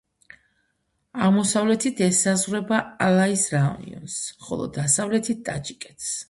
აღმოსავლეთით ესაზღვრება ალაის რაიონს, ხოლო დასავლეთით ტაჯიკეთს.